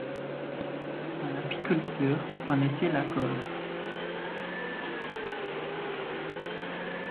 Un apiculteur en était la cause.